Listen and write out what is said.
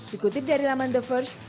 dikutip dari laman the first